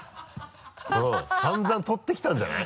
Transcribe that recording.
散々取ってきたんじゃない？